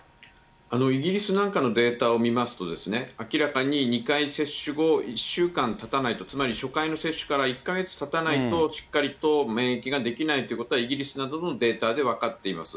イギリスなんかのデータを見ますとですね、明らかに２回接種後、１週間たたないと、つまり、初回の接種から１か月たたないと、しっかりと免疫ができないということは、イギリスなどのデータで分かっています。